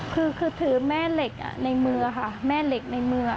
คือคือถือแม่เหล็กในมือค่ะแม่เหล็กในมือ